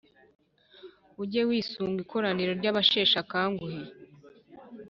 Ujye wisunga ikoraniro ry’abasheshe akanguhe,